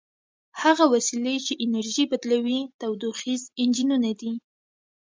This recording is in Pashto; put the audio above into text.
هغه وسیلې چې انرژي بدلوي تودوخیز انجنونه دي.